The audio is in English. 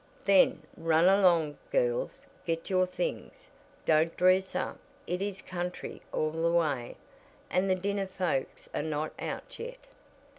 "Then run along, girls, get your things. Don't dress up; it is country all the way, and the dinner folks are not out yet.